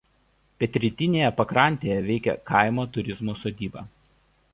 Pietrytinėje pakrantėje veikia kaimo turizmo sodyba.